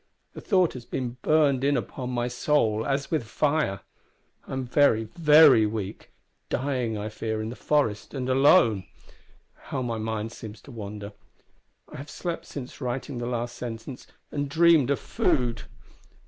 The thought has been burned in upon my soul as with fire. I am very, very weak dying, I fear, in the forest, and alone! How my mind seems to wander! I have slept since writing the last sentence, and dreamed of food!